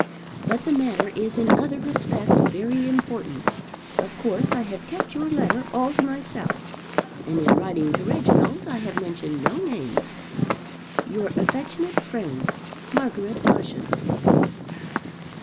But the matter is in other respects very important. Of course I have kept your letter all to myself, and in writing to Reginald I have mentioned no names. Your affectionate friend, MARGARET USHANT.